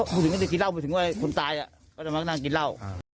พูดถึงก็จะกินเหล้าพูดถึงว่าคนตายก็จะมานั่งกินเหล้า